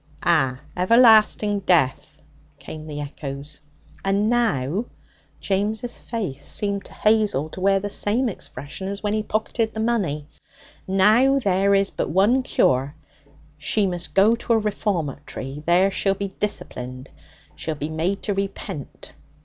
'Ah, everlasting death!' came the echoes. 'And now' (James' face seemed to Hazel to wear the same expression as when he pocketed the money) 'now there is but one cure. She must go to a reformatory. There she'll be disciplined. She'll be made to repent.'